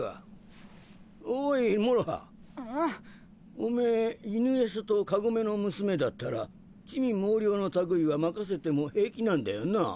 おめ犬夜叉とかごめの娘だったら魑魅魍魎の類いは任せても平気なんだよな？